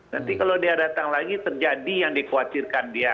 nanti kalau dia datang lagi terjadi yang dikhawatirkan dia